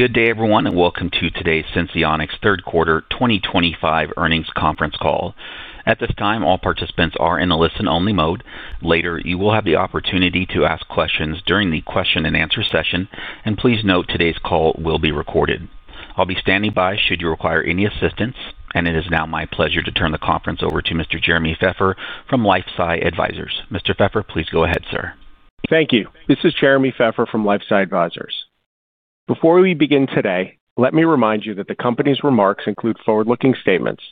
Good day, everyone, and welcome to today's Senseonics Third Quarter 2025 Earnings Conference Call. At this time, all participants are in a listen-only mode. Later, you will have the opportunity to ask questions during the question-and-answer session, and please note today's call will be recorded. I'll be standing by should you require any assistance, and it is now my pleasure to turn the conference over to Mr. Jeremy Feffer from LifeSci Advisors. Mr. Feffer, please go ahead, sir. Thank you. This is Jeremy Feffer from LifeSci Advisors. Before we begin today, let me remind you that the company's remarks include forward-looking statements.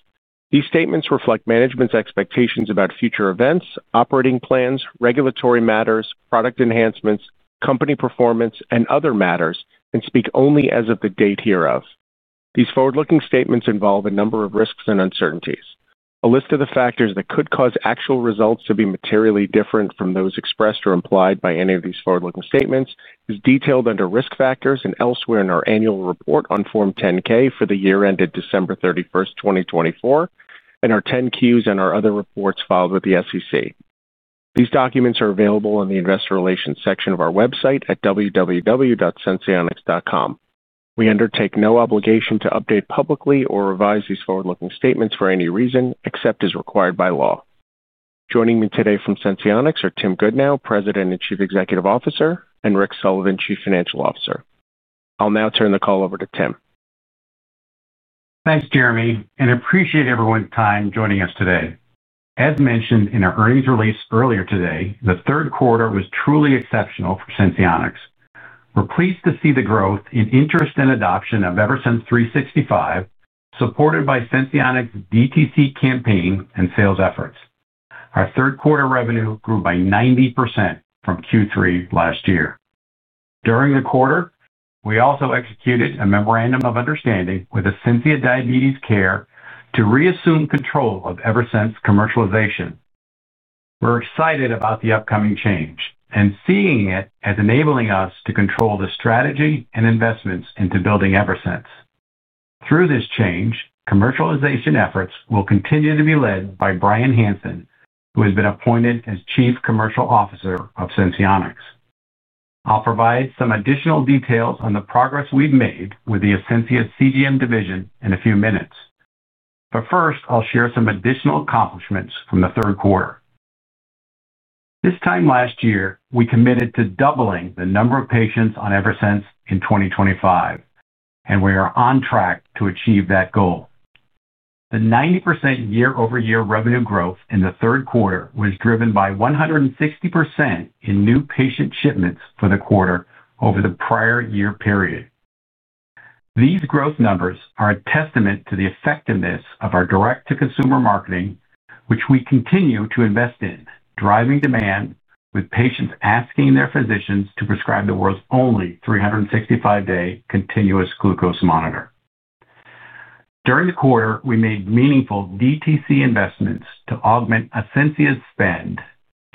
These statements reflect management's expectations about future events, operating plans, regulatory matters, product enhancements, company performance, and other matters, and speak only as of the date hereof. These forward-looking statements involve a number of risks and uncertainties. A list of the factors that could cause actual results to be materially different from those expressed or implied by any of these forward-looking statements is detailed u`nder Risk Factors and elsewhere in our annual report on Form 10-K for the year ended December 31st, 2024, and our 10-Qs and our other reports filed with the SEC. These documents are available in the Investor Relations section of our website at www.senseonics.com. We undertake no obligation to update publicly or revise these forward-looking statements for any reason except as required by law. Joining me today from Senseonics are Tim Goodnow, President and Chief Executive Officer, and Rick Sullivan, Chief Financial Officer. I'll now turn the call over to Tim. Thanks, Jeremy, and appreciate everyone's time joining us today. As mentioned in our earnings release earlier today, the third quarter was truly exceptional for Senseonics. We're pleased to see the growth in interest and adoption of Eversense 365, supported by Senseonics' DTC campaign and sales efforts. Our third quarter revenue grew by 90% from Q3 last year. During the quarter, we also executed a memorandum of understanding with Ascensia Diabetes Care to reassume control of Eversense commercialization. We're excited about the upcoming change and seeing it as enabling us to control the strategy and investments into building Eversense. Through this change, commercialization efforts will continue to be led by Brian Hansen, who has been appointed as Chief Commercial Officer of Senseonics. I'll provide some additional details on the progress we've made with the Ascensia CGM division in a few minutes. First, I'll share some additional accomplishments from the third quarter. This time last year, we committed to doubling the number of patients on Eversense in 2025. We are on track to achieve that goal. The 90% year-over-year revenue growth in the third quarter was driven by 160% in new patient shipments for the quarter over the prior year period. These growth numbers are a testament to the effectiveness of our direct-to-consumer marketing, which we continue to invest in, driving demand with patients asking their physicians to prescribe the world's only 365-day continuous glucose monitor. During the quarter, we made meaningful DTC investments to augment Ascensia's spend,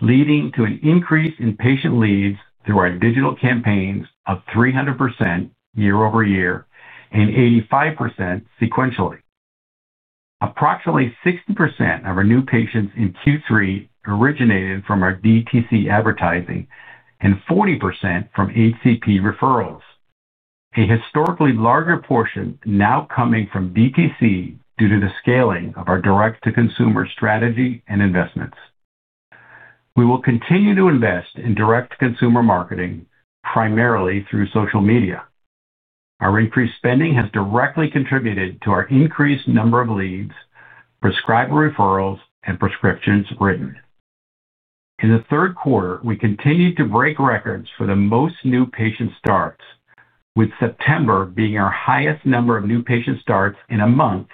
leading to an increase in patient leads through our digital campaigns of 300% year-over-year and 85% sequentially. Approximately 60% of our new patients in Q3 originated from our DTC advertising and 40% from HCP referrals, a historically larger portion now coming from DTC due to the scaling of our direct-to-consumer strategy and investments. We will continue to invest in direct-to-consumer marketing, primarily through social media. Our increased spending has directly contributed to our increased number of leads, prescriber referrals, and prescriptions written. In the third quarter, we continued to break records for the most new patient starts, with September being our highest number of new patient starts in a month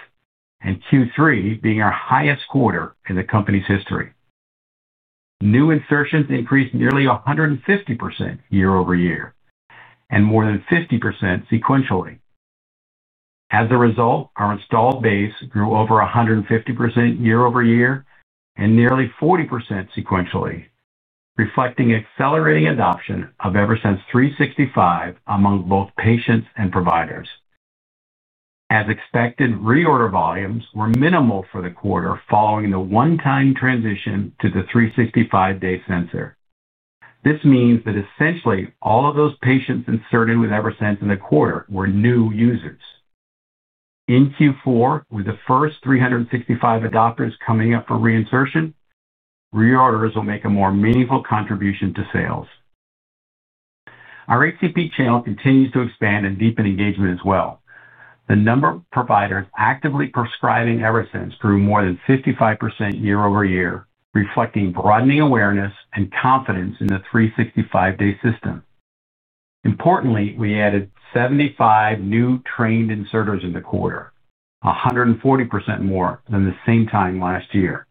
and Q3 being our highest quarter in the company's history. New insertions increased nearly 150% year-over-year and more than 50% sequentially. As a result, our installed base grew over 150% year-over-year and nearly 40% sequentially, reflecting accelerating adoption of Eversense 365 among both patients and providers. As expected, reorder volumes were minimal for the quarter following the one-time transition to the 365-day sensor. This means that essentially all of those patients inserted with Eversense in the quarter were new users. In Q4, with the first 365 adopters coming up for reinsertion, reorders will make a more meaningful contribution to sales. Our HCP channel continues to expand and deepen engagement as well. The number of providers actively prescribing Eversense grew more than 55% year-over-year, reflecting broadening awareness and confidence in the 365-day system. Importantly, we added 75 new trained inserters in the quarter, 140% more than the same time last year.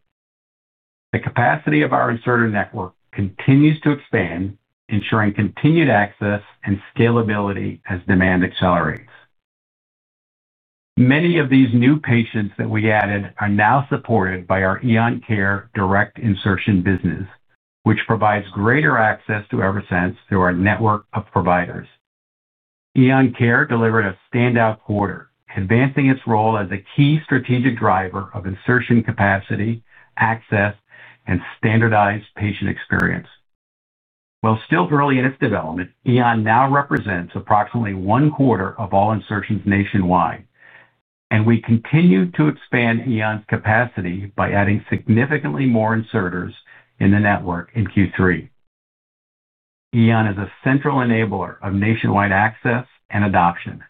The capacity of our inserter network continues to expand, ensuring continued access and scalability as demand accelerates. Many of these new patients that we added are now supported by our Eon Care direct insertion business, which provides greater access to Eversense through our network of providers. Eon Care delivered a standout quarter, advancing its role as a key strategic driver of insertion capacity, access, and standardized patient experience. While still early in its development, Eon now represents approximately one quarter of all insertions nationwide, and we continue to expand Eon's capacity by adding significantly more inserters in the network in Q3. Eon is a central enabler of nationwide access and adoption.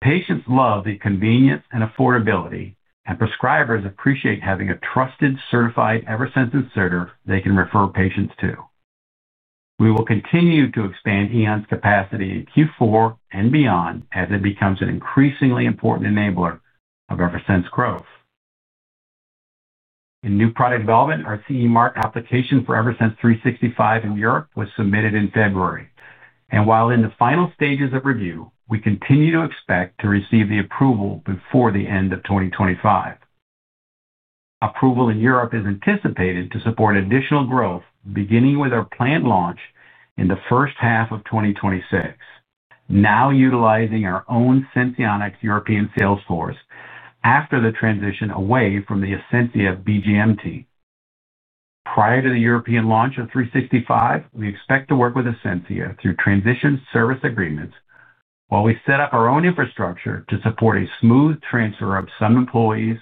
Patients love the convenience and affordability, and prescribers appreciate having a trusted, certified Eversense inserter they can refer patients to. We will continue to expand Eon's capacity in Q4 and beyond as it becomes an increasingly important enabler of Eversense growth. In new product development, our CE Mark application for Eversense 365 in Europe was submitted in February. While in the final stages of review, we continue to expect to receive the approval before the end of 2025. Approval in Europe is anticipated to support additional growth, beginning with our planned launch in the first half of 2026. Now utilizing our own Senseonics European sales force after the transition away from the Ascensia BGM team. Prior to the European launch of 365, we expect to work with Ascensia through transition service agreements while we set up our own infrastructure to support a smooth transfer of some employees,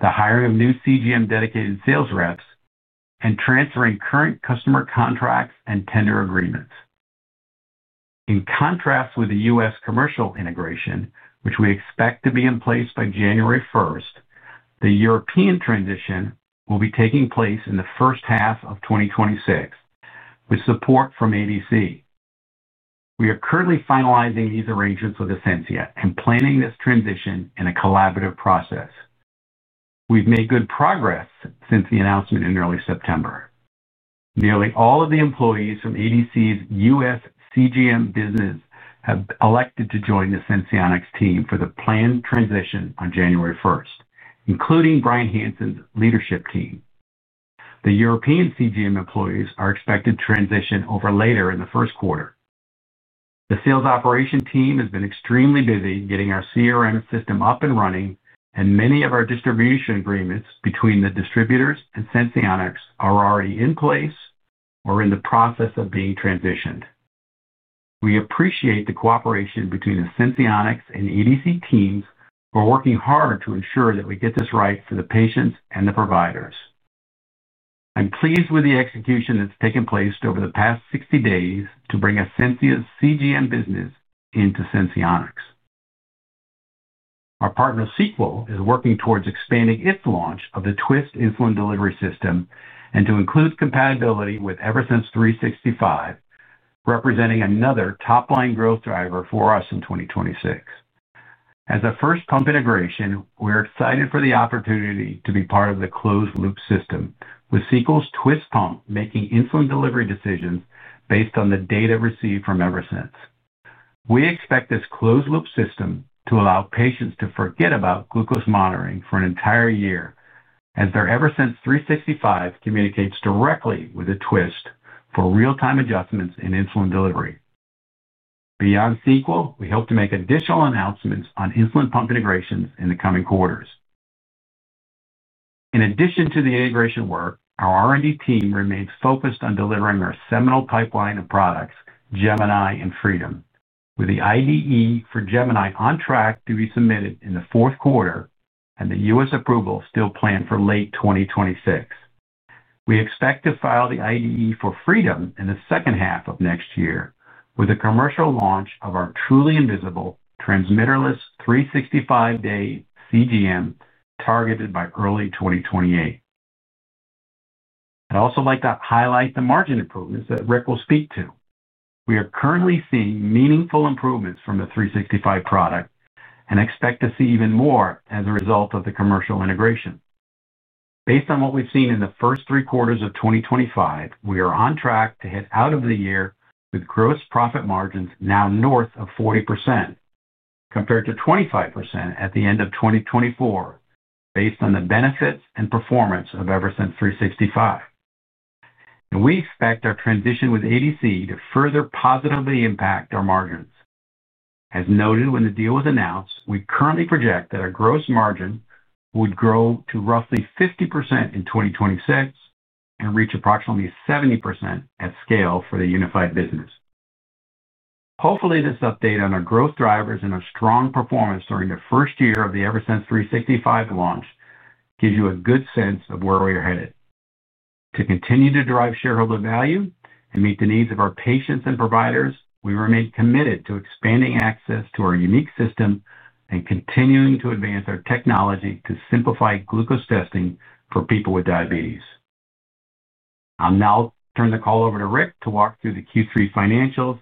the hiring of new CGM dedicated sales reps, and transferring current customer contracts and tender agreements. In contrast with the U.S. commercial integration, which we expect to be in place by January 1st, the European transition will be taking place in the first half of 2026. With support from ADC. We are currently finalizing these arrangements with Ascensia and planning this transition in a collaborative process. We've made good progress since the announcement in early September. Nearly all of the employees from ADC's U.S. CGM business have elected to join the Senseonics team for the planned transition on January 1, including Brian Hansen's leadership team. The European CGM employees are expected to transition over later in the first quarter. The sales operation team has been extremely busy getting our CRM system up and running, and many of our distribution agreements between the distributors and Senseonics are already in place or in the process of being transitioned. We appreciate the cooperation between the Senseonics and ADC teams. We're working hard to ensure that we get this right for the patients and the providers. I'm pleased with the execution that's taken place over the past 60 days to bring Ascensia's CGM business into Senseonics. Our partner Sequel is working towards expanding its launch of the Twist insulin delivery system and to include compatibility with Eversense 365. Representing another top-line growth driver for us in 2026. As a first pump integration, we're excited for the opportunity to be part of the closed-loop system, with Sequel's twiist pump making insulin delivery decisions based on the data received from Eversense. We expect this closed-loop system to allow patients to forget about glucose monitoring for an entire year, as their Eversense 365 communicates directly with the twiist for real-time adjustments in insulin delivery. Beyond Sequel, we hope to make additional announcements on insulin pump integrations in the coming quarters. In addition to the integration work, our R&D team remains focused on delivering our seminal pipeline of products, Gemini and Freedom, with the IDE for Gemini on track to be submitted in the fourth quarter and the U.S. approval still planned for late 2026. We expect to file the IDE for Freedom in the second half of next year, with the commercial launch of our truly invisible transmitterless 365-day CGM targeted by early 2028. I'd also like to highlight the margin improvements that Rick will speak to. We are currently seeing meaningful improvements from the 365 product and expect to see even more as a result of the commercial integration. Based on what we've seen in the first three quarters of 2025, we are on track to hit out of the year with gross profit margins now north of 40%, compared to 25% at the end of 2024. Based on the benefits and performance of Eversense 365. We expect our transition with ADC to further positively impact our margins. As noted when the deal was announced, we currently project that our gross margin would grow to roughly 50% in 2026 and reach approximately 70% at scale for the unified business. Hopefully, this update on our growth drivers and our strong performance during the first year of the Eversense 365 launch gives you a good sense of where we are headed. To continue to drive shareholder value and meet the needs of our patients and providers, we remain committed to expanding access to our unique system and continuing to advance our technology to simplify glucose testing for people with diabetes. I'll now turn the call over to Rick to walk through the Q3 financials,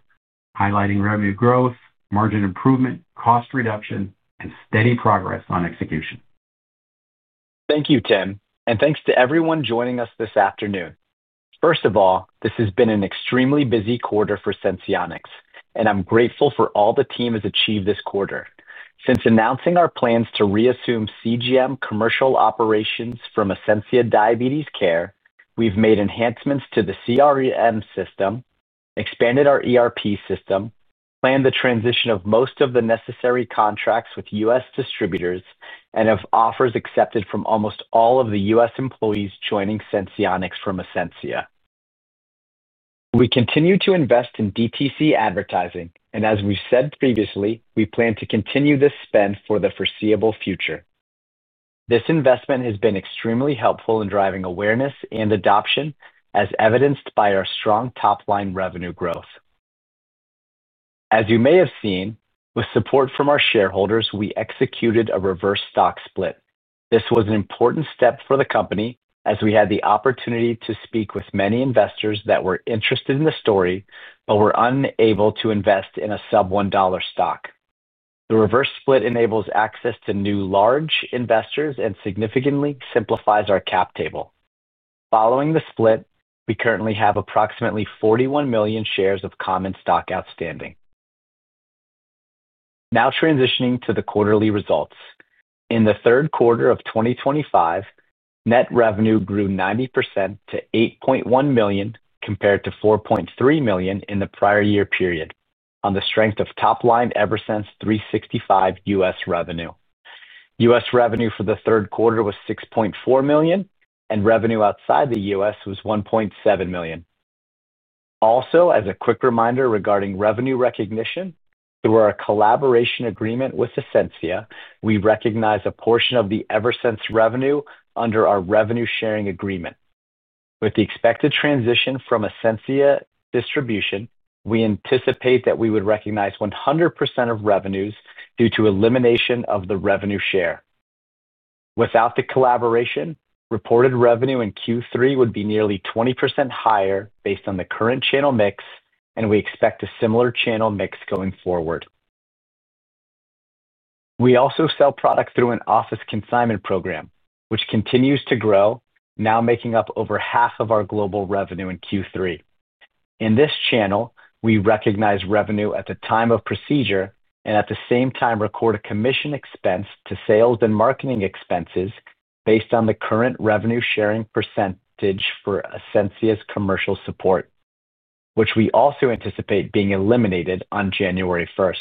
highlighting revenue growth, margin improvement, cost reduction, and steady progress on execution. Thank you, Tim, and thanks to everyone joining us this afternoon. First of all, this has been an extremely busy quarter for Senseonics, and I'm grateful for all the team has achieved this quarter. Since announcing our plans to reassume CGM commercial operations from Ascensia Diabetes Care, we've made enhancements to the CREM system, expanded our ERP system, planned the transition of most of the necessary contracts with U.S. distributors, and have offers accepted from almost all of the U.S. employees joining Senseonics from Ascensia. We continue to invest in DTC advertising, and as we've said previously, we plan to continue this spend for the foreseeable future. This investment has been extremely helpful in driving awareness and adoption, as evidenced by our strong top-line revenue growth. As you may have seen, with support from our shareholders, we executed a reverse stock split. This was an important step for the company as we had the opportunity to speak with many investors that were interested in the story but were unable to invest in a sub-$1 stock. The reverse split enables access to new large investors and significantly simplifies our cap table. Following the split, we currently have approximately 41 million shares of common stock outstanding. Now transitioning to the quarterly results. In the third quarter of 2025, net revenue grew 90% to $8.1 million compared to $4.3 million in the prior year period, on the strength of top-line Eversense 365 U.S. revenue. U.S. revenue for the third quarter was $6.4 million, and revenue outside the U.S. was $1.7 million. Also, as a quick reminder regarding revenue recognition, through our collaboration agreement with Ascensia, we recognize a portion of the Eversense revenue under our revenue sharing agreement. With the expected transition from Ascensia distribution, we anticipate that we would recognize 100% of revenues due to elimination of the revenue share. Without the collaboration, reported revenue in Q3 would be nearly 20% higher based on the current channel mix, and we expect a similar channel mix going forward. We also sell products through an office consignment program, which continues to grow, now making up over half of our global revenue in Q3. In this channel, we recognize revenue at the time of procedure and at the same time record a commission expense to sales and marketing expenses based on the current revenue sharing percentage for Ascensia's commercial support, which we also anticipate being eliminated on January 1st.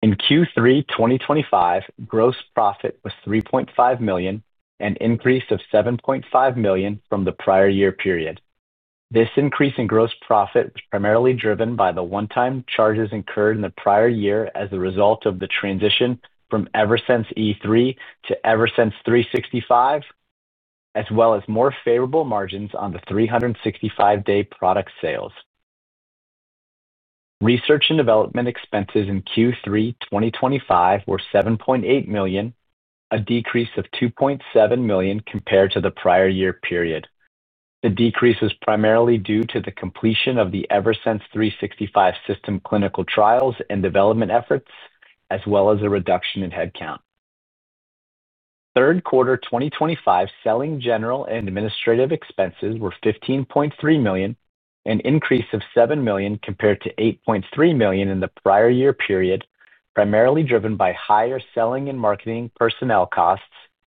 In Q3 2025, gross profit was $3.5 million, an increase of $7.5 million from the prior year period. This increase in gross profit, primarily driven by the one-time charges incurred in the prior year as a result of the transition from Eversense E3 to Eversense 365, as well as more favorable margins on the 365-day product sales. Research and development expenses in Q3 2025 were $7.8 million, a decrease of $2.7 million compared to the prior year period. The decrease was primarily due to the completion of the Eversense 365 system clinical trials and development efforts, as well as a reduction in headcount. Third quarter 2025, selling, general, and administrative expenses were $15.3 million, an increase of $7 million compared to $8.3 million in the prior year period, primarily driven by higher selling and marketing personnel costs,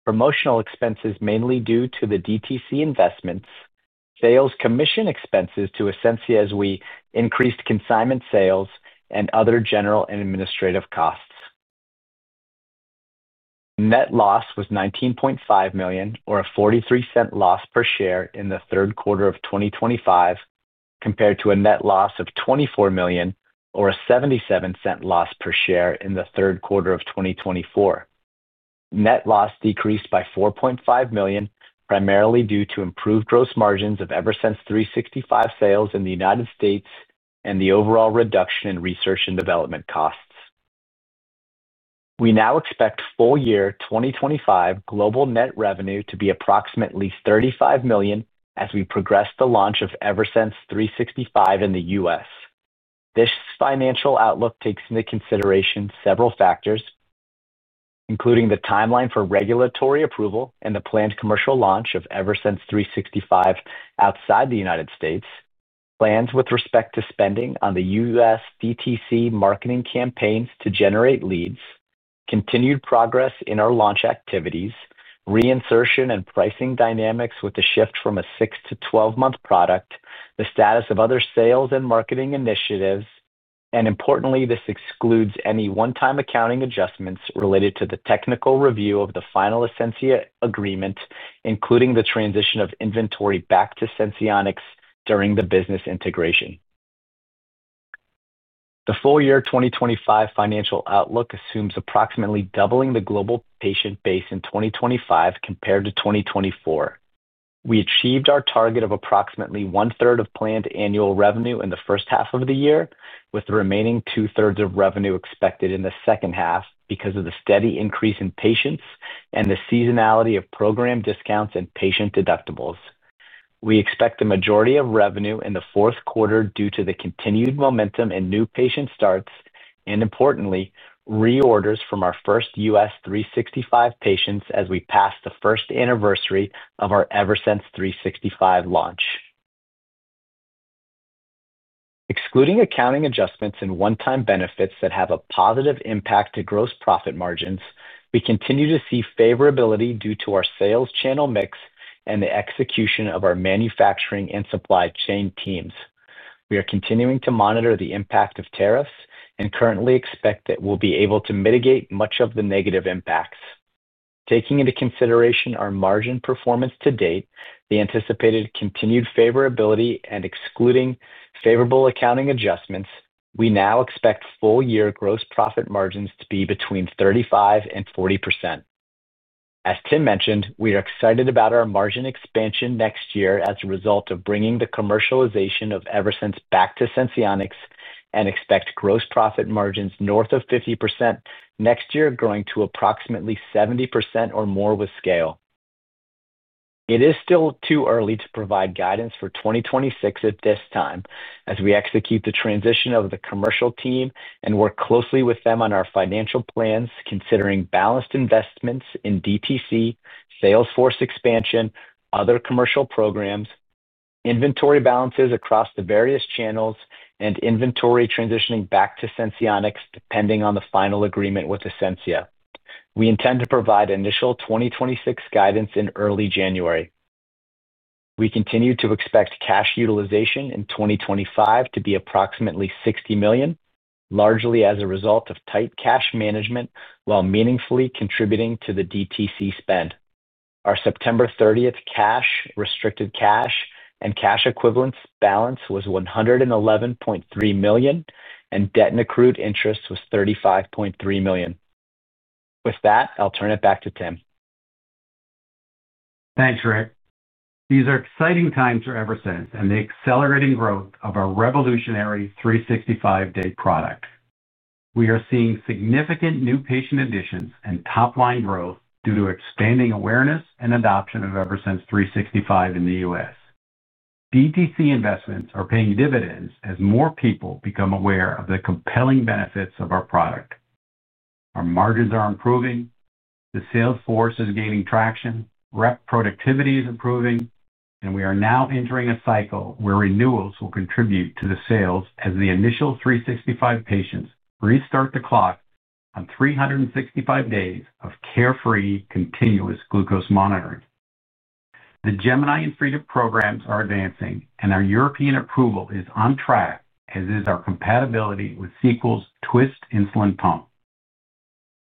promotional expenses mainly due to the DTC investments, sales commission expenses to Ascensia as we increased consignment sales, and other general and administrative costs. Net loss was $19.5 million, or a $0.43 loss per share in the third quarter of 2025. Compared to a net loss of $24 million, or a $0.77 loss per share in the third quarter of 2024. Net loss decreased by $4.5 million, primarily due to improved gross margins of Eversense 365 sales in the United States and the overall reduction in research and development costs. We now expect full year 2025 global net revenue to be approximately $35 million as we progress the launch of Eversense 365 in the U.S. This financial outlook takes into consideration several factors, including the timeline for regulatory approval and the planned commercial launch of Eversense 365 outside the United States, plans with respect to spending on the U.S. DTC marketing campaigns to generate leads, continued progress in our launch activities, reinsertion and pricing dynamics with the shift from a 6-12 month product, the status of other sales and marketing initiatives, and importantly, this excludes any one-time accounting adjustments related to the technical review of the final Ascensia agreement, including the transition of inventory back to Senseonics during the business integration. The full-year 2025 financial outlook assumes approximately doubling the global patient base in 2025 compared to 2024. We achieved our target of approximately 1/3 of planned annual revenue in the first half of the year, with the remaining 2/3 of revenue expected in the second half because of the steady increase in patients and the seasonality of program discounts and patient deductibles. We expect the majority of revenue in the fourth quarter due to the continued momentum in new patient starts and, importantly, reorders from our first U.S. 365 patients as we pass the first anniversary of our Eversense 365 launch. Excluding accounting adjustments and one-time benefits that have a positive impact to gross profit margins, we continue to see favorability due to our sales channel mix and the execution of our manufacturing and supply chain teams. We are continuing to monitor the impact of tariffs and currently expect that we'll be able to mitigate much of the negative impacts. Taking into consideration our margin performance to date, the anticipated continued favorability, and excluding favorable accounting adjustments, we now expect full year gross profit margins to be between 35%-40%. As Tim mentioned, we are excited about our margin expansion next year as a result of bringing the commercialization of Eversense back to Senseonics and expect gross profit margins north of 50% next year growing to approximately 70% or more with scale. It is still too early to provide guidance for 2026 at this time, as we execute the transition of the commercial team and work closely with them on our financial plans, considering balanced investments in DTC, Salesforce expansion, other commercial programs, inventory balances across the various channels, and inventory transitioning back to Senseonics depending on the final agreement with Ascensia. We intend to provide initial 2026 guidance in early January. We continue to expect cash utilization in 2025 to be approximately $60 million, largely as a result of tight cash management while meaningfully contributing to the DTC spend. Our September 30th cash, restricted cash, and cash equivalents balance was $111.3 million, and debt and accrued interest was $35.3 million. With that, I'll turn it back to Tim. Thanks, Rick. These are exciting times for Eversense and the accelerating growth of our revolutionary 365-day product. We are seeing significant new patient additions and top-line growth due to expanding awareness and adoption of Eversense 365 in the U.S. DTC investments are paying dividends as more people become aware of the compelling benefits of our product. Our margins are improving, the salesforce is gaining traction, rep productivity is improving, and we are now entering a cycle where renewals will contribute to the sales as the initial 365 patients restart the clock on 365 days of carefree, continuous glucose monitoring. The Gemini and Freedom programs are advancing, and our European approval is on track, as is our compatibility with Sequel's twiist insulin pump.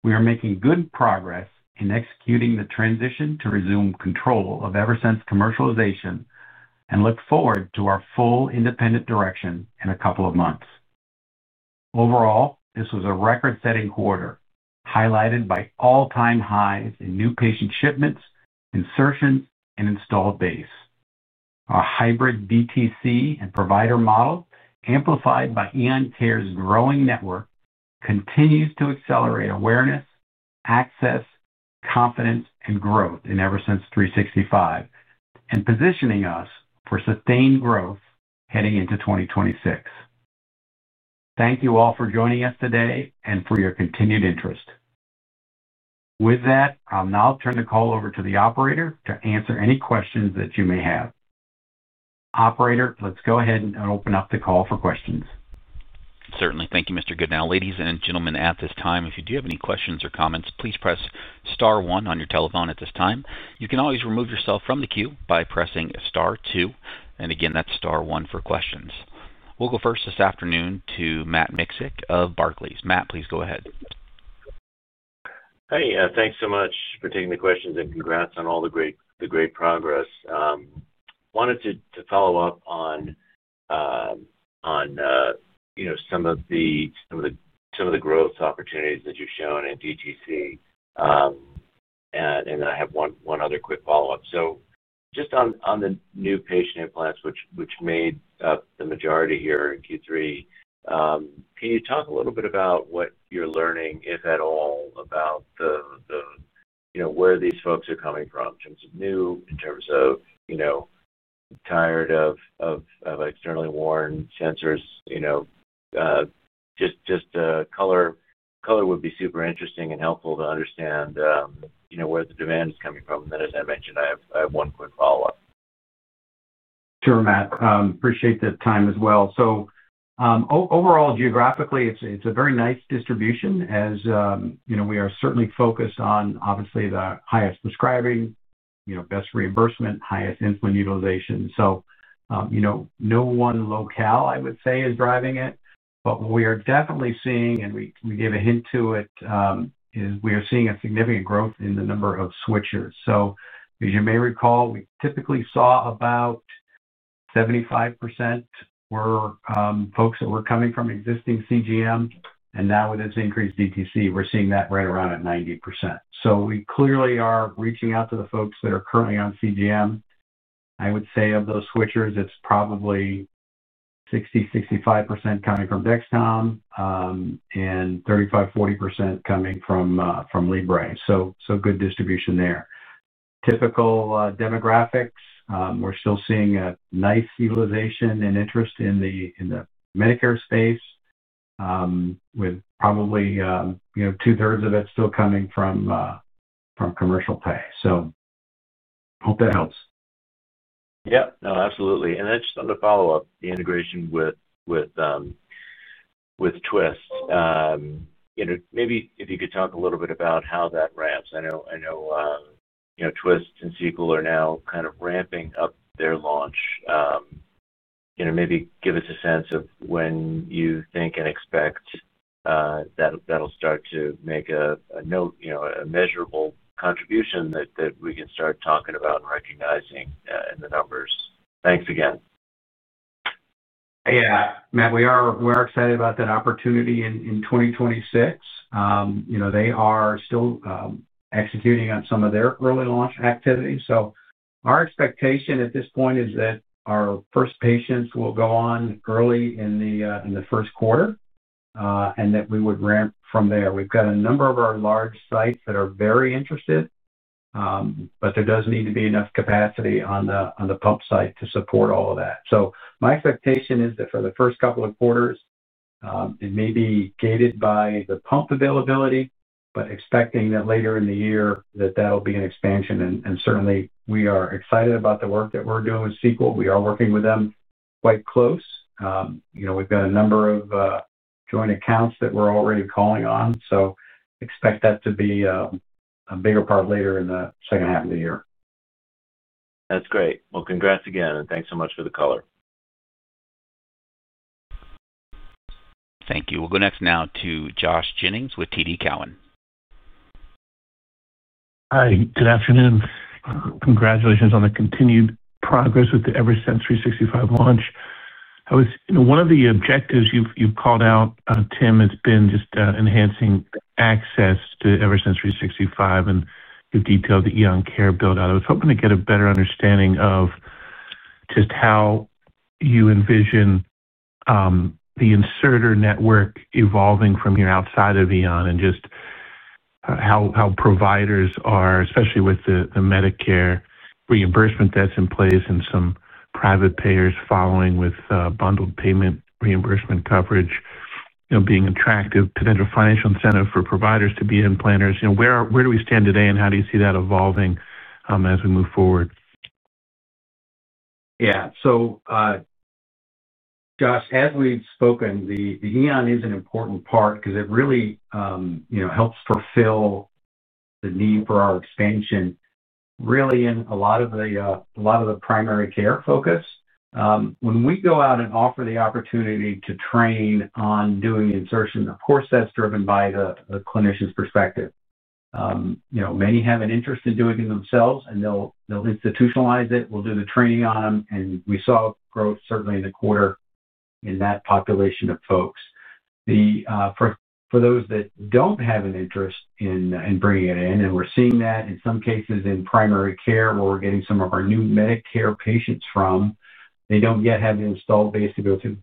We are making good progress in executing the transition to resume control of Eversense commercialization and look forward to our full independent direction in a couple of months. Overall, this was a record-setting quarter, highlighted by all-time highs in new patient shipments, insertions, and installed base. Our hybrid DTC and provider model, amplified by Eon Care's growing network, continues to accelerate awareness, access, confidence, and growth in Eversense 365, and positioning us for sustained growth heading into 2026. Thank you all for joining us today and for your continued interest. With that, I'll now turn the call over to the operator to answer any questions that you may have. Operator, let's go ahead and open up the call for questions. Certainly. Thank you, Mr. Goodnow. Ladies and gentlemen, at this time, if you do have any questions or comments, please press star one on your telephone at this time. You can always remove yourself from the queue by pressing star two, and again, that's star one for questions. We'll go first this afternoon to Matt Miksic of Barclays. Matt, please go ahead. Hey, thanks so much for taking the questions and congrats on all the great progress. Wanted to follow up on some of the growth opportunities that you've shown in DTC. I have one other quick follow-up. Just on the new patient implants, which made up the majority here in Q3, can you talk a little bit about what you're learning, if at all, about where these folks are coming from in terms of new, in terms of tired of externally worn sensors? Just color would be super interesting and helpful to understand where the demand is coming from. I have one quick follow-up. Sure, Matt. Appreciate the time as well. Overall, geographically, it's a very nice distribution, as we are certainly focused on, obviously, the highest prescribing, best reimbursement, highest insulin utilization. No one locale, I would say, is driving it, but what we are definitely seeing, and we gave a hint to it, is we are seeing a significant growth in the number of switchers. As you may recall, we typically saw about 75% were folks that were coming from existing CGM, and now with this increased DTC, we're seeing that right around at 90%. We clearly are reaching out to the folks that are currently on CGM. I would say of those switchers, it's probably 60%-65% coming from Dexcom and 35%-40% coming from Libre. Good distribution there. Typical demographics, we're still seeing a nice utilization and interest in the Medicare space. With probably 2/3 of it still coming from commercial pay. Hope that helps. Yep. No, absolutely. On the follow-up, the integration with twiist, maybe if you could talk a little bit about how that ramps. I know twiist and Sequel are now kind of ramping up their launch. Maybe give us a sense of when you think and expect that'll start to make a measurable contribution that we can start talking about and recognizing in the numbers. Thanks again. Yeah. Matt, we are excited about that opportunity in 2026. They are still executing on some of their early launch activities. Our expectation at this point is that our first patients will go on early in the first quarter, and that we would ramp from there. We've got a number of our large sites that are very interested. There does need to be enough capacity on the pump site to support all of that. My expectation is that for the first couple of quarters, it may be gated by the pump availability, expecting that later in the year, that will be an expansion. Certainly, we are excited about the work that we're doing with Sequel. We are working with them quite close. We've got a number of joint accounts that we're already calling on. Expect that to be a bigger part later in the second half of the year. That's great. Congrats again, and thanks so much for the color. Thank you. We'll go next now to Josh Jennings with TD Cowen. Hi. Good afternoon. Congratulations on the continued progress with the Eversense 365 launch. One of the objectives you've called out, Tim, has been just enhancing access to Eversense 365, and you've detailed the Eon Care buildout. I was hoping to get a better understanding of just how you envision the inserter network evolving from here outside of Eon and just how providers are, especially with the Medicare reimbursement that's in place and some private payers following with bundled payment reimbursement coverage, being attractive potential financial incentive for providers to be implanters. Where do we stand today, and how do you see that evolving as we move forward? Yeah. Josh, as we've spoken, the Eon is an important part because it really helps fulfill the need for our expansion, really, in a lot of the primary care focus. When we go out and offer the opportunity to train on doing insertion, of course, that's driven by the clinician's perspective. Many have an interest in doing it themselves, and they'll institutionalize it. We'll do the training on them, and we saw growth, certainly, in the quarter in that population of folks. For those that don't have an interest in bringing it in, and we're seeing that in some cases in primary care where we're getting some of our new Medicare patients from, they don't yet have the installed base to go to.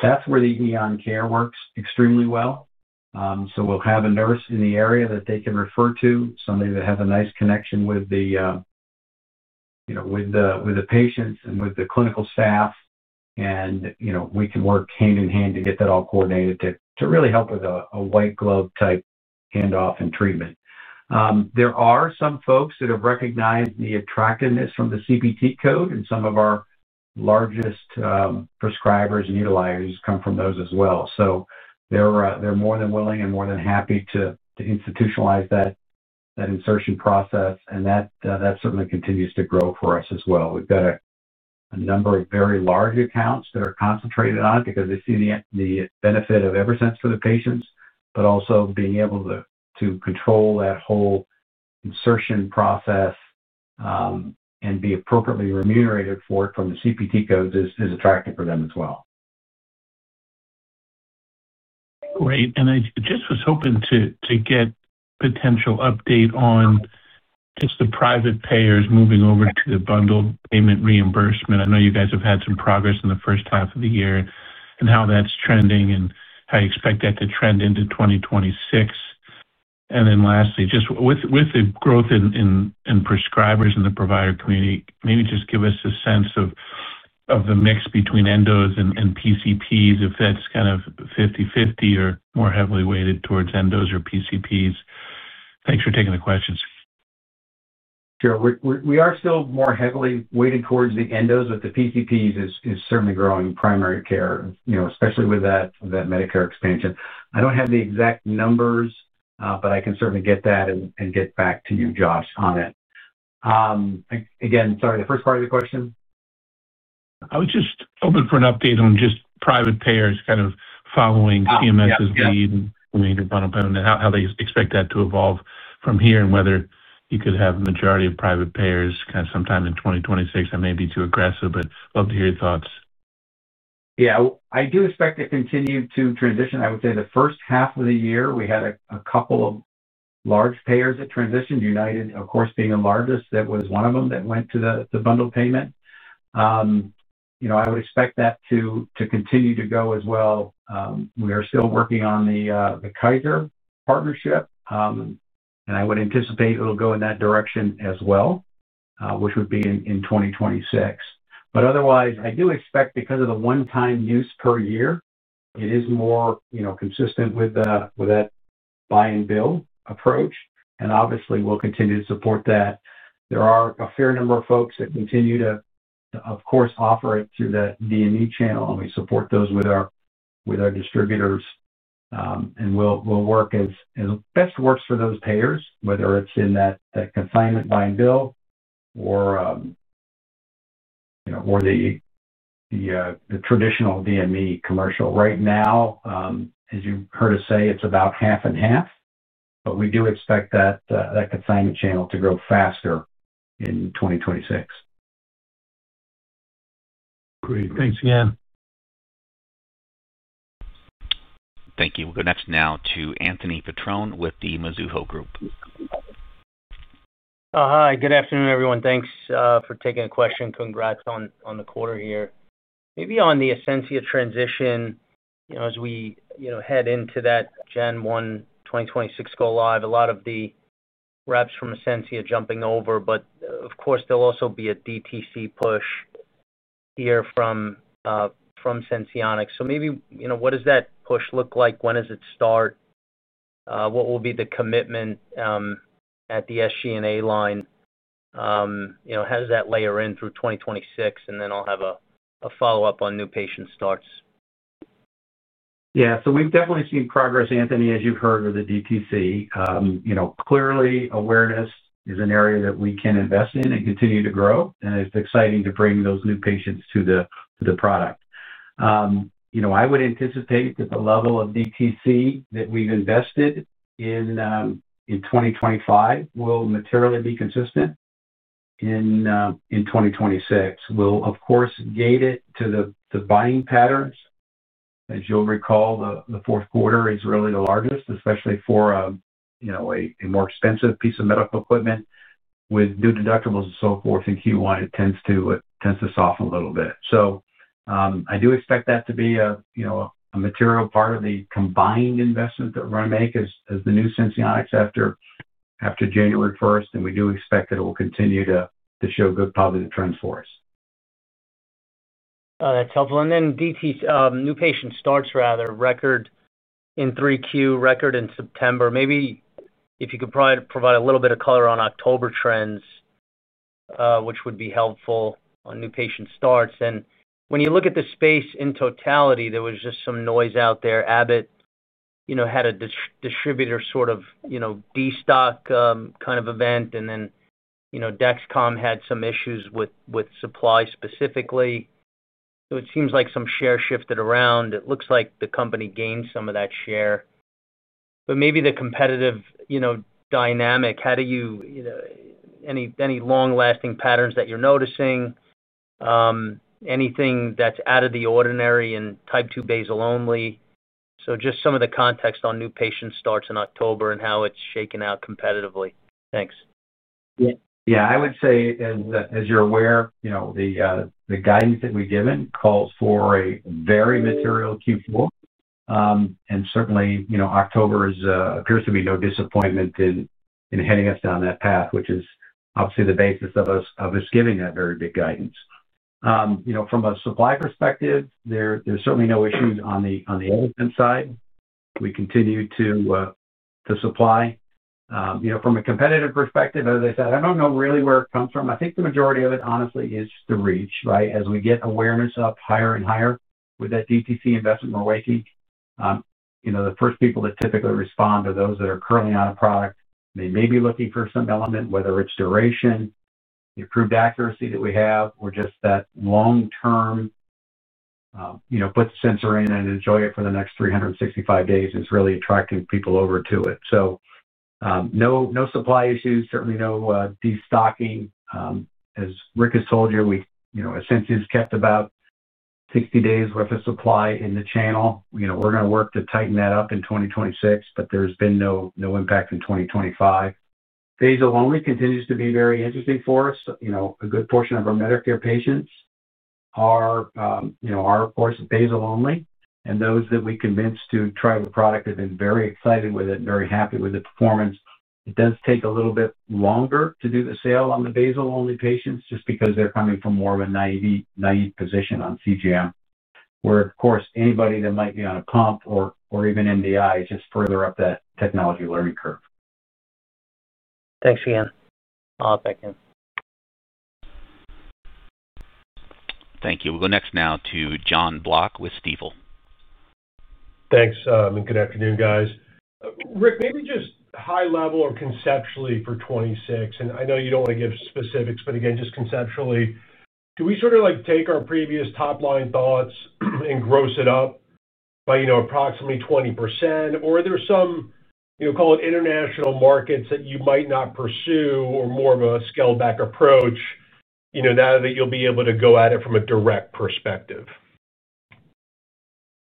That's where the EonCare works extremely well. We'll have a nurse in the area that they can refer to, somebody that has a nice connection with the patients and with the clinical staff. We can work hand in hand to get that all coordinated to really help with a white-glove type handoff and treatment. There are some folks that have recognized the attractiveness from the CPT code, and some of our largest prescribers and utilizers come from those as well. They're more than willing and more than happy to institutionalize that insertion process, and that certainly continues to grow for us as well. We've got a number of very large accounts that are concentrated on it because they see the benefit of Eversense for the patients, but also being able to control that whole insertion process and being appropriately remunerated for it from the CPT codes is attractive for them as well. Great. I just was hoping to get a potential update on just the private payers moving over to the bundled payment reimbursement. I know you guys have had some progress in the first half of the year and how that's trending and how you expect that to trend into 2026. Lastly, just with the growth in prescribers and the provider community, maybe just give us a sense of the mix between endos and PCPs, if that's kind of 50/50 or more heavily weighted towards endos or PCPs. Thanks for taking the questions. Sure. We are still more heavily weighted towards the endos, but the PCPs is certainly growing, primary care, especially with that Medicare expansion. I do not have the exact numbers, but I can certainly get that and get back to you, Josh, on it. Again, sorry, the first part of your question? I was just open for an update on just private payers kind of following CMS's lead and how they expect that to evolve from here and whether you could have the majority of private payers kind of sometime in 2026. I may be too aggressive, but I'd love to hear your thoughts. Yeah. I do expect to continue to transition. I would say the first half of the year, we had a couple of large payers that transitioned, United, of course, being the largest, that was one of them that went to the bundled payment. I would expect that to continue to go as well. We are still working on the Kaiser partnership. I would anticipate it'll go in that direction as well, which would be in 2026. Otherwise, I do expect, because of the one-time use per year, it is more consistent with that buy-and-build approach. Obviously, we'll continue to support that. There are a fair number of folks that continue to, of course, offer it through that DME channel, and we support those with our distributors. We'll work as best works for those payers, whether it's in that consignment buy-and-build or the traditional DME commercial. Right now. As you heard us say, it's about half and half, but we do expect that consignment channel to grow faster in 2026. Great. Thanks again. Thank you. We'll go next now to Anthony Petrone with the Mizuho Group. Hi. Good afternoon, everyone. Thanks for taking the question. Congrats on the quarter here. Maybe on the Ascensia transition. As we head into that Gen 1 2026 go live, a lot of the reps from Ascensia jumping over, but of course, there'll also be a DTC push here from Senseonics. So maybe what does that push look like? When does it start? What will be the commitment at the SG&A line? How does that layer in through 2026? I have a follow-up on new patient starts. Yeah. So we've definitely seen progress, Anthony, as you've heard, with the DTC. Clearly, awareness is an area that we can invest in and continue to grow. And it's exciting to bring those new patients to the product. I would anticipate that the level of DTC that we've invested in 2025 will materially be consistent. In 2026, we'll, of course, gate it to the buying patterns. As you'll recall, the fourth quarter is really the largest, especially for a more expensive piece of medical equipment. With new deductibles and so forth in Q1, it tends to soften a little bit. I do expect that to be a material part of the combined investment that we're going to make as the new Senseonics after January 1st. We do expect that it will continue to show good positive trends for us. That's helpful. Then new patient starts, rather, record. In 3Q, record in September. Maybe if you could provide a little bit of color on October trends, which would be helpful on new patient starts. When you look at the space in totality, there was just some noise out there. Abbott had a distributor sort of destock kind of event, and then Dexcom had some issues with supply specifically. It seems like some share shifted around. It looks like the company gained some of that share. Maybe the competitive dynamic, how do you, any long-lasting patterns that you're noticing? Anything that's out of the ordinary in type 2 basal only? Just some of the context on new patient starts in October and how it's shaken out competitively. Thanks. Yeah. I would say, as you're aware, the guidance that we've given calls for a very material Q4. Certainly, October appears to be no disappointment in heading us down that path, which is obviously the basis of us giving that very big guidance. From a supply perspective, there's certainly no issues on the end side. We continue to supply. From a competitive perspective, as I said, I don't know really where it comes from. I think the majority of it, honestly, is the reach, right? As we get awareness up higher and higher with that DTC investment we're making. The first people that typically respond are those that are currently on a product. They may be looking for some element, whether it's duration, the approved accuracy that we have, or just that long-term. Put the sensor in and enjoy it for the next 365 days is really attracting people over to it. No supply issues, certainly no destocking. As Rick has told you, Ascensia's kept about 60 days' worth of supply in the channel. We're going to work to tighten that up in 2026, but there's been no impact in 2025. Basal only continues to be very interesting for us. A good portion of our Medicare patients are, of course, basal only. And those that we convinced to try the product have been very excited with it and very happy with the performance. It does take a little bit longer to do the sale on the basal-only patients just because they're coming from more of a naive position on CGM, where, of course, anybody that might be on a pump or even NDI is just further up that technology learning curve. Thanks again. I'll have a second. Thank you. We'll go next now to John Block with Stifel. Thanks. Good afternoon, guys. Rick, maybe just high-level or conceptually for 2026. I know you do not want to give specifics, but again, just conceptually, do we sort of take our previous top-line thoughts and gross it up by approximately 20%? Or are there some, call it, international markets that you might not pursue or more of a scaled-back approach. Now that you will be able to go at it from a direct perspective?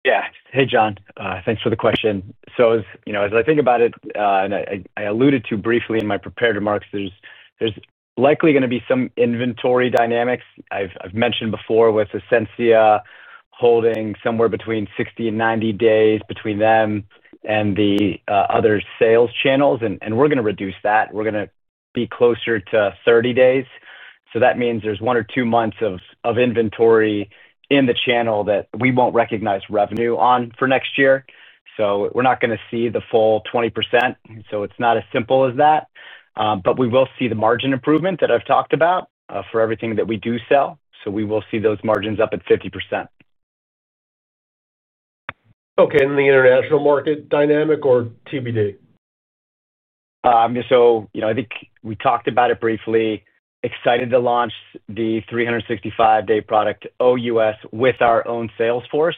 Yeah. Hey, John. Thanks for the question. As I think about it, and I alluded to briefly in my prepared remarks, there's likely going to be some inventory dynamics. I've mentioned before with Ascensia holding somewhere between 60-90 days between them and the other sales channels. We're going to reduce that. We're going to be closer to 30 days. That means there's one or two months of inventory in the channel that we won't recognize revenue on for next year. We're not going to see the full 20%. It's not as simple as that. We will see the margin improvement that I've talked about for everything that we do sell. We will see those margins up at 50%. Okay. The international market dynamic or TBD? I think we talked about it briefly. Excited to launch the 365-day product OUS with our own sales force.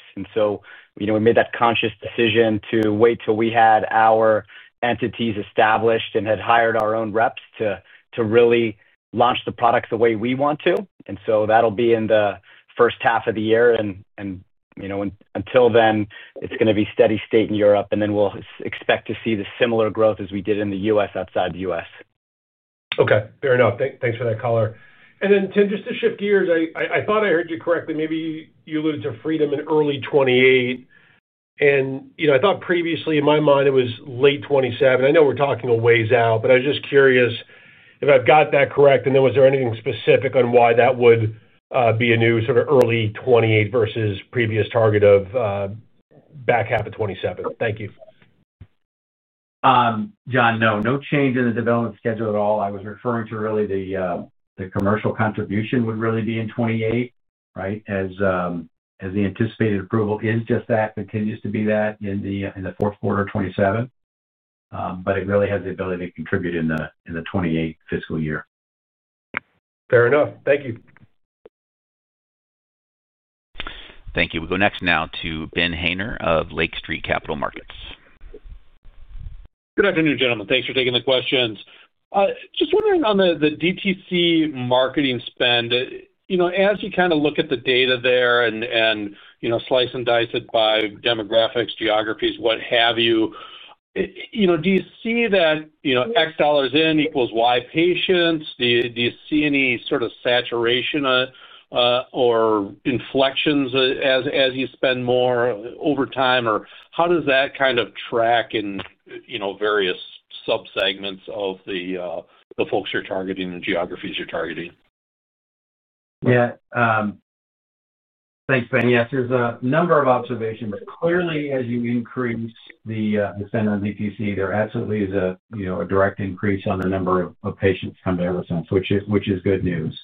We made that conscious decision to wait till we had our entities established and had hired our own reps to really launch the products the way we want to. That will be in the first half of the year. Until then, it's going to be steady state in Europe. We will expect to see the similar growth as we did in the US outside the US. Okay. Fair enough. Thanks for that color. Tim, just to shift gears, I thought I heard you correctly. Maybe you alluded to Freedom in early 2028. I thought previously, in my mind, it was late 2027. I know we're talking a ways out, but I was just curious if I've got that correct. Was there anything specific on why that would be a new sort of early 2028 versus previous target of back half of 2027? Thank you. John, no. No change in the development schedule at all. I was referring to really the commercial contribution would really be in 2028, right? As the anticipated approval is just that, continues to be that in the fourth quarter of 2027. It really has the ability to contribute in the 2028 fiscal year. Fair enough. Thank you. Thank you. We'll go next now to Ben Haynor of Lake Street Capital Markets. Good afternoon, gentlemen. Thanks for taking the questions. Just wondering on the DTC marketing spend. As you kind of look at the data there and slice and dice it by demographics, geographies, what have you, do you see that X dollars in equals Y patients? Do you see any sort of saturation or inflections as you spend more over time? Or how does that kind of track in various subsegments of the folks you're targeting and geographies you're targeting? Yeah. Thanks, Ben. Yes, there's a number of observations. Clearly, as you increase the spend on DTC, there absolutely is a direct increase on the number of patients coming to Eversense, which is good news.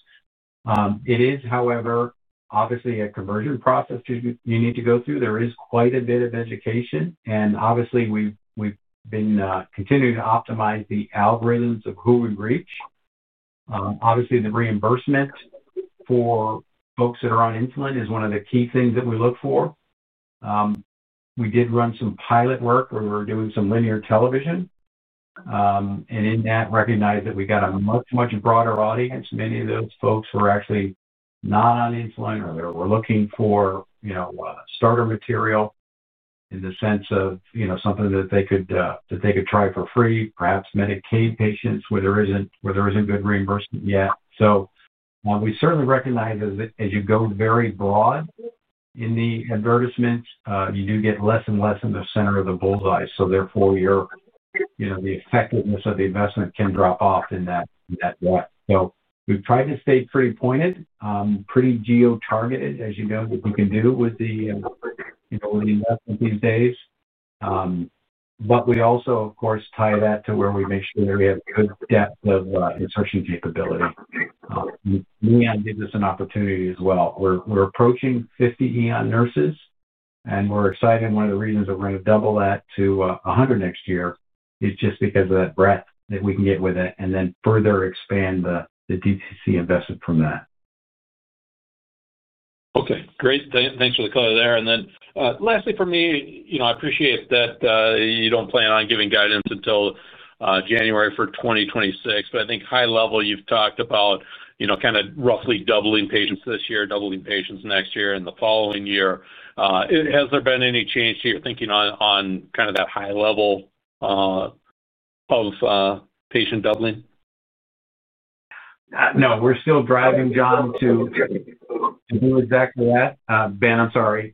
It is, however, obviously a conversion process you need to go through. There is quite a bit of education. Obviously, we've been continuing to optimize the algorithms of who we reach. Obviously, the reimbursement for folks that are on insulin is one of the key things that we look for. We did run some pilot work where we were doing some linear television. In that, we recognized that we got a much, much broader audience. Many of those folks were actually not on insulin or they were looking for starter material, in the sense of something that they could try for free, perhaps Medicaid patients where there isn't good reimbursement yet. We certainly recognize as you go very broad in the advertisements, you do get less and less in the center of the bull's eye. Therefore, the effectiveness of the investment can drop off in that way. We've tried to stay pretty pointed, pretty geo-targeted, as you know, what you can do with the investment these days. We also, of course, tie that to where we make sure that we have good depth of insertion capability. Eon gave us an opportunity as well. We're approaching 50 Eon nurses, and we're excited. One of the reasons that we're going to double that to 100 next year is just because of that breadth that we can get with it and then further expand the DTC investment from that. Okay. Great. Thanks for the color there. Lastly for me, I appreciate that you do not plan on giving guidance until January for 2026. I think high level, you have talked about kind of roughly doubling patients this year, doubling patients next year, and the following year. Has there been any change to your thinking on kind of that high level of patient doubling? No. We're still driving, John, to do exactly that. Ben, I'm sorry.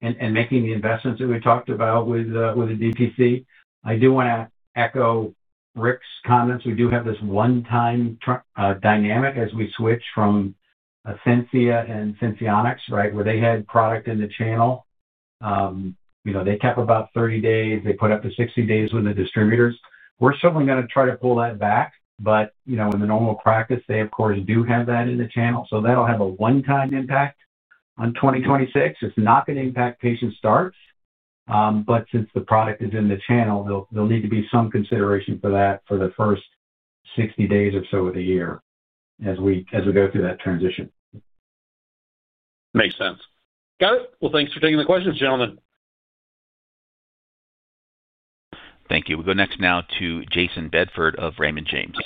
And making the investments that we talked about with the DTC. I do want to echo Rick's comments. We do have this one-time dynamic as we switch from Ascensia and Senseonics, right, where they had product in the channel. They kept about 30 days. They put up to 60 days with the distributors. We're certainly going to try to pull that back. In the normal practice, they, of course, do have that in the channel. That will have a one-time impact on 2026. It's not going to impact patient starts. Since the product is in the channel, there will need to be some consideration for that for the first 60 days or so of the year as we go through that transition. Makes sense. Got it. Thanks for taking the questions, gentlemen. Thank you. We'll go next now to Jayson Bedford of Raymond James.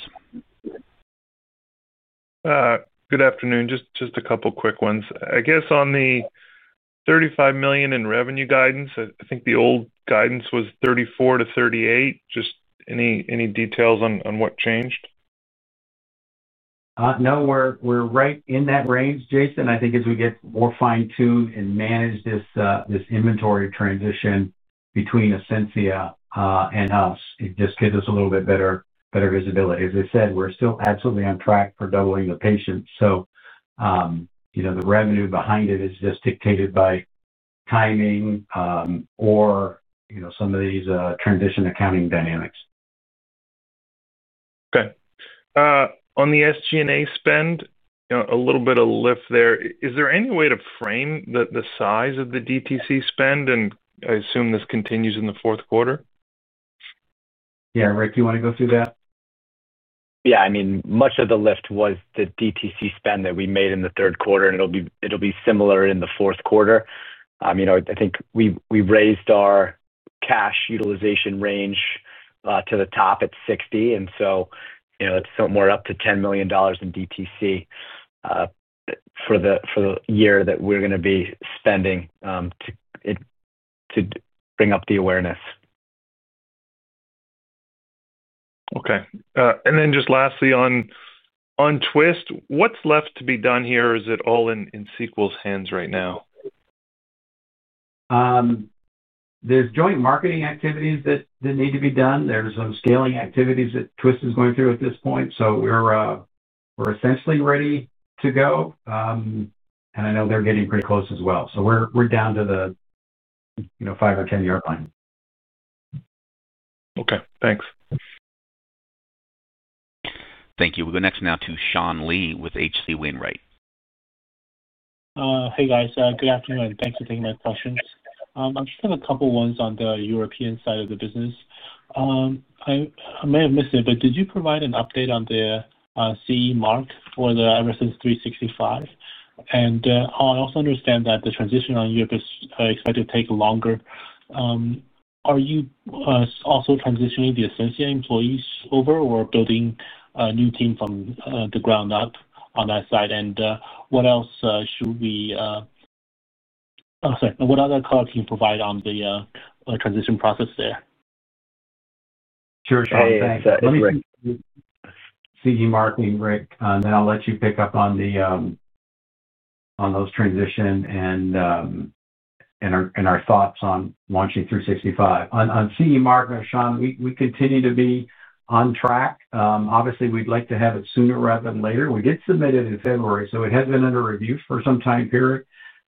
Good afternoon. Just a couple of quick ones. I guess on the $35 million in revenue guidance, I think the old guidance was $34 million-$38 million. Just any details on what changed? No. We're right in that range, Jayson. I think as we get more fine-tuned and manage this inventory transition between Ascensia and us, it just gives us a little bit better visibility. As I said, we're still absolutely on track for doubling the patients. The revenue behind it is just dictated by timing or some of these transition accounting dynamics. Okay. On the SG&A spend, a little bit of lift there. Is there any way to frame the size of the DTC spend? And I assume this continues in the fourth quarter. Yeah. Rick, do you want to go through that? Yeah. I mean, much of the lift was the DTC spend that we made in the third quarter. It'll be similar in the fourth quarter. I think we raised our cash utilization range to the top at $60 million. That's somewhere up to $10 million in DTC for the year that we're going to be spending to bring up the awareness. Okay. And then just lastly on twist, what's left to be done here? Is it all in Sequel's hands right now? There's joint marketing activities that need to be done. There's some scaling activities that twiist is going through at this point. So we're essentially ready to go. I know they're getting pretty close as well. We're down to the 5- or 10-yard line. Okay. Thanks. Thank you. We'll go next now to Sean Lee with H.C. Wainwright. Hey, guys. Good afternoon. Thanks for taking my questions. I just have a couple of ones on the European side of the business. I may have missed it, but did you provide an update on the CE Mark for the Eversense 365? I also understand that the transition in Europe is expected to take longer. Are you also transitioning the Ascensia employees over or building a new team from the ground up on that side? What other color can you provide on the transition process there? Sure, Sean. Thanks. CE marking, Rick. Then I'll let you pick up on those transitions and our thoughts on launching 365. On CE marking, Sean, we continue to be on track. Obviously, we'd like to have it sooner rather than later. We did submit it in February, so it has been under review for some time period.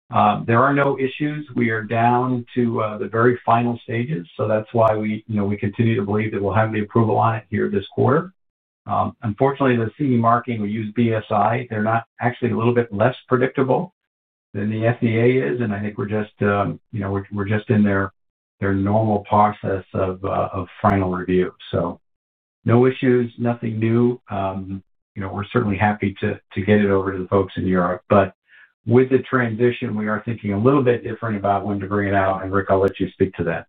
There are no issues. We are down to the very final stages. That's why we continue to believe that we'll have the approval on it here this quarter. Unfortunately, the CE marking, we use BSI. They're actually a little bit less predictable than the FDA is. I think we're just in their normal process of final review. No issues, nothing new. We're certainly happy to get it over to the folks in Europe. With the transition, we are thinking a little bit different about when to bring it out. Rick, I'll let you speak to that.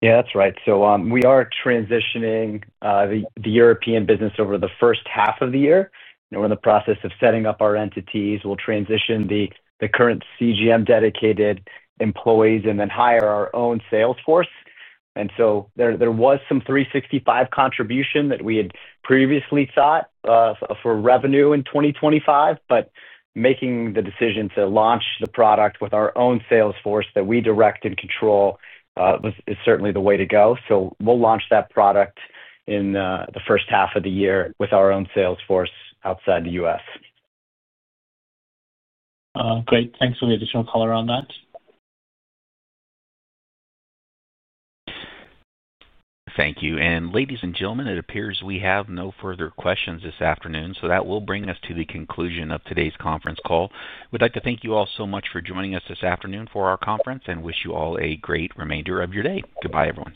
Yeah, that's right. We are transitioning the European business over the first half of the year. We're in the process of setting up our entities. We'll transition the current CGM-dedicated employees and then hire our own sales force. There was some 365 contribution that we had previously thought for revenue in 2025. Making the decision to launch the product with our own sales force that we direct and control is certainly the way to go. We'll launch that product in the first half of the year with our own sales force outside the U.S. Great. Thanks for the additional color on that. Thank you. Ladies and gentlemen, it appears we have no further questions this afternoon. That will bring us to the conclusion of today's conference call. We'd like to thank you all so much for joining us this afternoon for our conference and wish you all a great remainder of your day. Goodbye, everyone.